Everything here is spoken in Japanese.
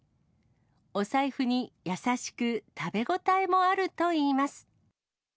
お財布に優しく、食べ応えもあるといいます。